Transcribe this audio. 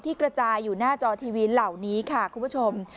กระจายอยู่หน้าจอทีวีเหล่านี้ค่ะคุณผู้ชม